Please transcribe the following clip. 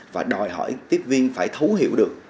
và đòi hỏi tiếp viên phải thấu hiểu được